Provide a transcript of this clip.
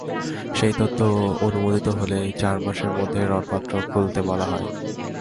সেই তথ্য অনুমোদিত হলে চার মাসের মধ্যে ঋণপত্র খুলতে বলা হয়।